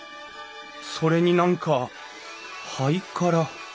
それに何かハイカラ。